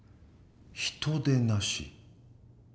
人でなし？